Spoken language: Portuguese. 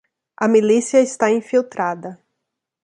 A milícia está infiltrada.